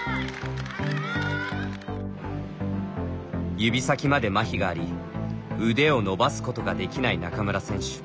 指先まで、まひがあり腕を伸ばすことができない中村選手。